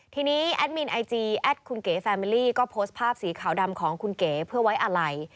ทีนี้แอดมินไอจีแอดคุณเก๋แฟมิลลี่ก็โพสต์ภาพสีขาวดำของคุณเก๋เพื่อไว้อะไร